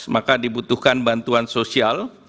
maka dibutuhkan bantuan sosial